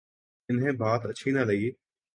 انہیں بات اچھی نہ لگی۔